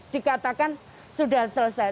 dikatakan sudah selesai